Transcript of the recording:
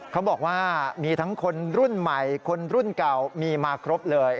เขาบอกว่ามีทั้งคนรุ่นใหม่คนรุ่นเก่ามีมาครบเลย